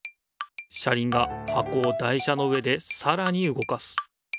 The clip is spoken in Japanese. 車りんがはこを台車の上でさらにうごかす。